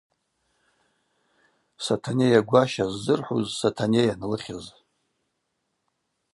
Сатанейа гваща ззырхӏвауа Сатанейан лыхьыз.